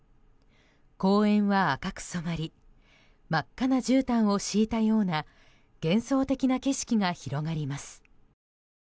公園は赤く染まり真っ赤なじゅうたんを敷いたような幻想的な景色が広がります。